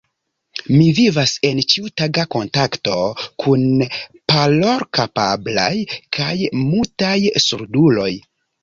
Mi vivas en ĉiutaga kontakto kun parolkapablaj kaj mutaj surduloj.